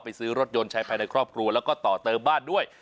ซื้อรถยนต์ใช้ภายในครอบครัวแล้วก็ต่อเติมบ้านด้วย